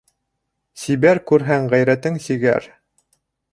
Сибәр - Күрһәң, ғәйрәтең сигәр.